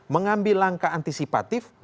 mengambil langkah antisipatif